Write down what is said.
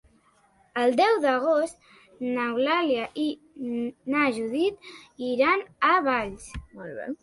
El deu d'agost n'Eulàlia i na Judit iran a Valls.